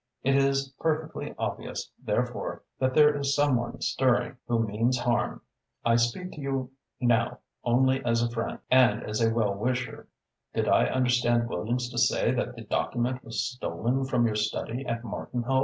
It is perfectly obvious, therefore, that there is some one stirring who means harm. I speak to you now only as a friend and as a well wisher. Did I understand Williams to say that the document was stolen from your study at Martinhoe?"